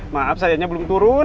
maaf sayangnya belum turun